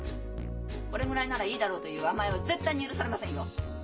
「これぐらいならいいだろう」という甘えは絶対に許されませんよ！